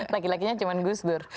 laki lakinya cuma gus dur